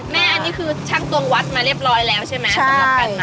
แม่นี่คือชั่งตวงวัดมาเรียบร้อยแล้วใช่ไหม